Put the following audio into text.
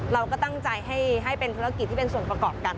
เราก็ตั้งใจให้เป็นธุรกิจที่เป็นส่วนประกอบกัน